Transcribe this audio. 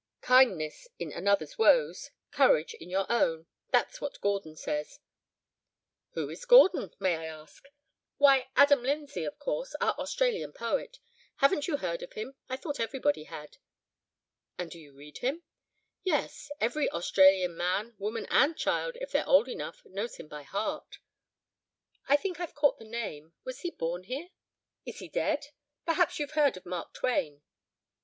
'Kindness in another's woes, courage in your own,' that's what Gordon says." "Who is Gordon, may I ask?" "Why, Adam Lindsay, of course, our Australian poet. Haven't you heard of him? I thought everybody had." "And do you read him?" "Yes. Every Australian man, woman, and child, if they're old enough, knows him by heart." "I think I've caught the name. Was he born here?" "Is he dead? Perhaps you've heard of Mark Twain?"